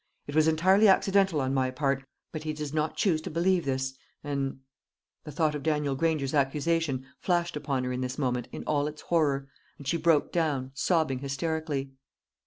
It was entirely accidental on my part; but he does not choose to believe this, and " The thought of Daniel Granger's accusation flashed upon her in this moment in all its horror, and she broke down, sobbing hysterically.